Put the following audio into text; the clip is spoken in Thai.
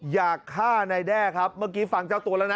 อยากฆ่านายแด้ครับเมื่อกี้ฟังเจ้าตัวแล้วนะ